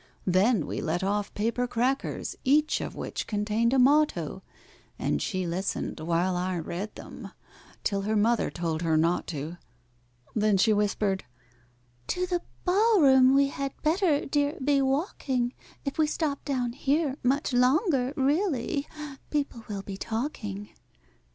Then we let off paper crackers, each of which contained a motto, And she listened while I read them, till her mother told her not to. Then she whispered, "To the ball room we had better, dear, be walking; If we stop down here much longer, really people will be talking."